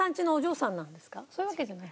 そういうわけじゃない？